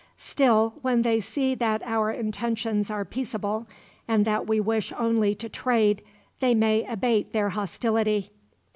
Still, when they see that our intentions are peaceable, and that we wish only to trade, they may abate their hostility."